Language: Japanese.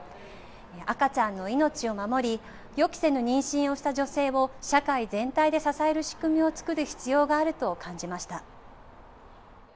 赤ちゃんの命を守り、予期せぬ妊娠をした女性を、社会全体で支える仕組みを作る必要があると感じました。